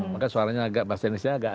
maka suaranya agak bahasa indonesia bagus ya